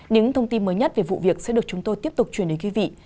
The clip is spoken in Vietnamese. những thông tin mới nhất về vụ việc sẽ được chúng tôi tiếp tục truyền đến quý vị